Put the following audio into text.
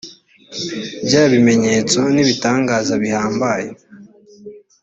bya bimenyetso n’ibitangaza bihambaye.